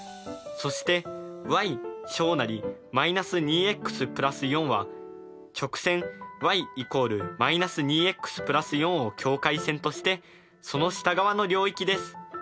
そしてｙ−２ｘ＋４は直線ｙ＝−２ｘ＋４を境界線としてその下側の領域です。